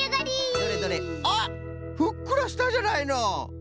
どれどれあっふっくらしたじゃないの！